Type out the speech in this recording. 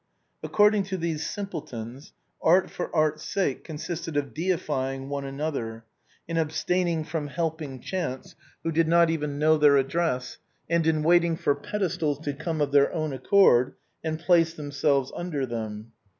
According to these simpletons, art for art's sake consisted in deifying one another, in abstaining from helping chance, who did not even know their address, and in waiting for pedestals to come of their own accord and place themselves under them.